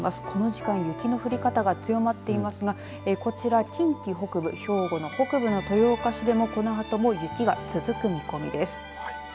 この時間雪の降り方が強まっていますがこちら近畿北部兵庫の北部の豊岡市でもこのあとも雪が続く見込みです。